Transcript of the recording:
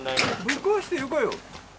ぶっ壊してよかよ